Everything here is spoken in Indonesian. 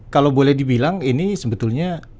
kalau boleh dibilang ini sebetulnya